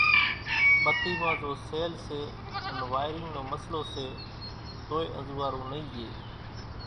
ٻتي مان زو سيل سي ان وائيرينگ نو مسئلو سي توئي انزوئارون نئي ڄي۔